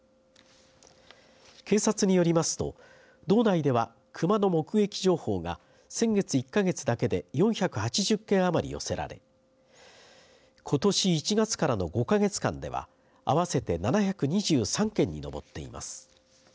警察によりますと道内では熊の目撃情報が先月１か月だけで４８０件余り寄せられことし１月からの５か月間では合わせて７２３件に上っています。